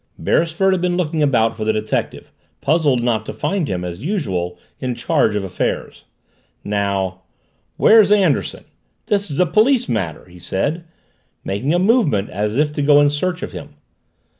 Beresford had been looking about for the detective, puzzled not to find him, as usual, in charge of affairs. Now, "Where's Anderson? This is a police matter!" he said, making a movement as if to go in search of him.